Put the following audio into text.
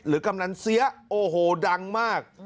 กำนันเสียโอ้โหดังมาก